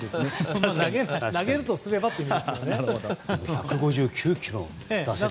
投げるとすればという意味ですよね。